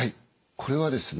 これはですね